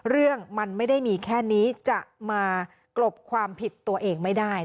เรื่องมันไม่ได้มีแค่นี้จะมากลบความผิดตัวเองไม่ได้